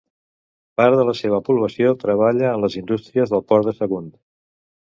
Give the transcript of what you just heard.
Part de la seva població treballa en les indústries del Port de Sagunt.